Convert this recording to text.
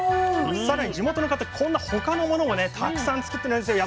更に地元の方こんな他のものもねたくさんつくってるんですよ